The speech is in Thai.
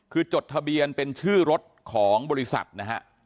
คือจดทะเบียนเป็นชื่อรถของบริษัทนะฮะ